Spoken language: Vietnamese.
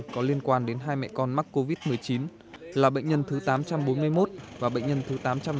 có liên quan đến hai mẹ con mắc covid một mươi chín là bệnh nhân thứ tám trăm bốn mươi một và bệnh nhân thứ tám trăm năm mươi